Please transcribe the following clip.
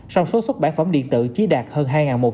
trong số xuất bản phẩm điện tử chỉ đạt hơn hai một trăm linh